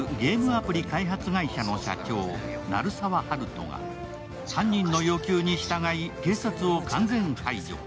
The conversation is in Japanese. アプリ開発会社の社長・鳴沢温人が犯人の要求に従い警察を完全排除。